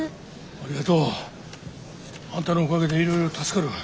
ありがとう。あんたのおかげでいろいろ助かるわ。